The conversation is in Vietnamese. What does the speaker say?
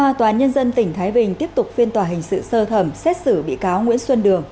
tòa toán nhân dân tỉnh thái bình tiếp tục phiên tòa hình sự sơ thẩm xét xử bị cáo nguyễn xuân đường